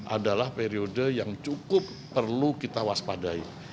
adalah periode yang cukup perlu kita waspadai